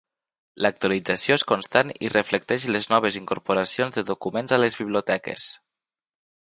L'actualització és constant i reflecteix les noves incorporacions de documents a les biblioteques.